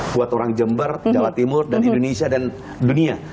buat orang jember jawa timur dan indonesia dan dunia